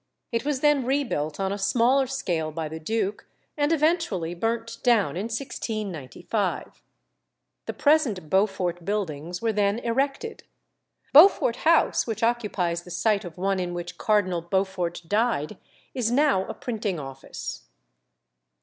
It was then rebuilt on a smaller scale by the duke, and eventually burnt down in 1695. The present Beaufort Buildings were then erected. Beaufort House, which occupies the site of one in which Cardinal Beaufort died, is now a printing office.